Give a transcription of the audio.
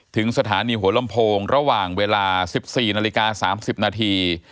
ถึงสถานีหัวลำโพงระหว่างเวลา๑๔นาฬิกา๓๐นาที